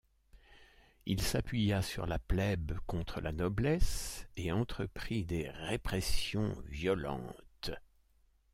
Il s'appuya sur la plèbe contre la noblesse et entreprit des répressions violentes.